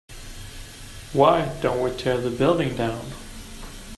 why don't we tear the building down?